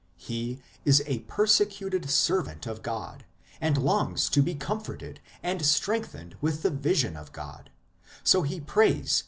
He is a persecuted servant of God, and longs to be com forted and strengthened with the vision of God ; so he prays 1 See also Ps.